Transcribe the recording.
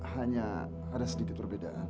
hanya ada sedikit perbedaan